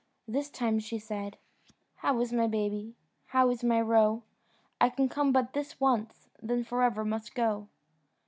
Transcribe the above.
This time she said "How is my baby? How is my roe? I can come but this once, then for ever must go."